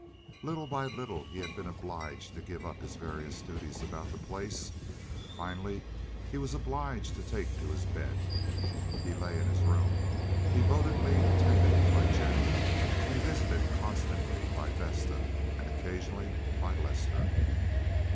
Little by little he had been obliged to give up his various duties about the place; finally he was obliged to take to his bed. He lay in his room, devotedly attended by Jennie and visited constantly by Vesta, and occasionally by Lester.